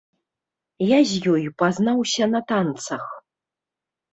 Я з ёй пазнаўся на танцах.